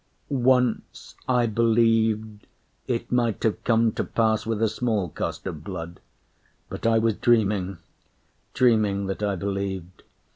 Once I believed it might have come to pass With a small cost of blood; but I was dreaming Dreaming that I believed.